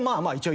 まあ